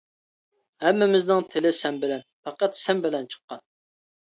ھەممىمىزنىڭ تىلى سەن بىلەن، پەقەت سەن بىلەن چىققان.